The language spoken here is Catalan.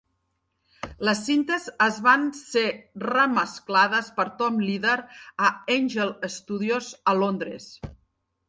Les cintes es van ser remesclades per Tom Leader a Angel Studios, a Londres.